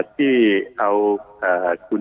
ที่เอาคุณ